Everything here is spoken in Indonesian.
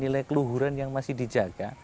nilai nilai luhuran yang masih dijaga